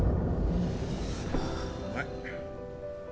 うまい。